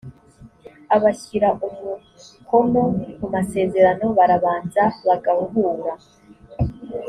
abashyira umukono kumasezerano barabanza bagahura.